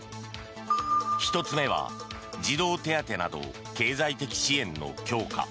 １つ目は児童手当など経済的支援の強化。